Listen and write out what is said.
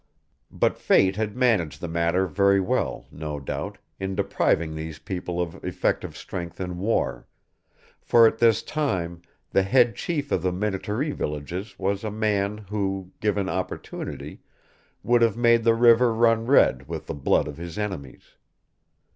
But Fate had managed the matter very well, no doubt, in depriving these people of effective strength in war; for at this time the head chief of the Minnetaree villages was a man who, given opportunity, would have made the river run red with the blood of his enemies.